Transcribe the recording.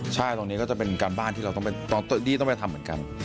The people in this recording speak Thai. ใช่ตรงนี้ก็จะเป็นการบ้านที่เราต้องไปทำเหมือนกัน